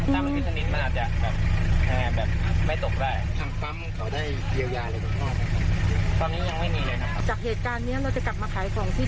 จากเหตุการณ์เราจะกลับมาขายของที่เดิมเหรอคะ